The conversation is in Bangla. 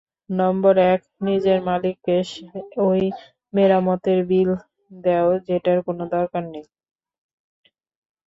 নম্বর এক, নিজের মালিককে ওই মেরামতের বিল দেও যেটার কোনো দরকার নেই।